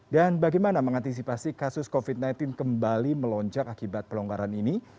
dan bagaimana mengantisipasi kasus covid sembilan belas kembali melonjak akibat pelonggaran ini